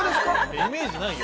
イメージないよ。